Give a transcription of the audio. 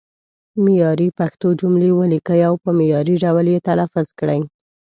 معیاري پښتو جملې ولیکئ او په معیاري ډول یې تلفظ کړئ.